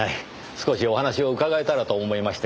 少しお話を伺えたらと思いまして。